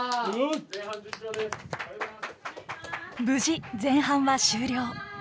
無事前半は終了。